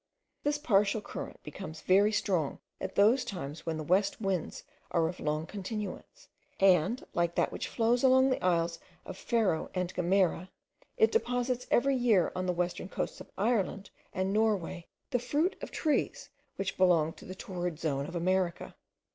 This partial current becomes very strong at those times when the west winds are of long continuance: and, like that which flows along the isles of Ferro and Gomera, it deposits every year on the western coasts of Ireland and Norway the fruit of trees which belong to the torrid zone of America.